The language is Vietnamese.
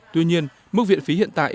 tuy nhiên mức viện phí hiện tại